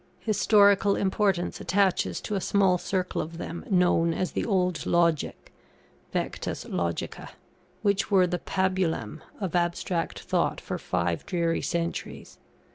Historical importance attaches to a small circle of them known as the Old Logic (vectus logica), which were the pabulum of abstract thought for five dreary centuries.